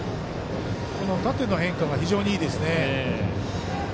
縦の変化が非常にいいですね。